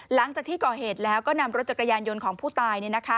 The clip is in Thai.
หลังจากที่ก่อเหตุแล้วก็นำรถจักรยานยนต์ของผู้ตาย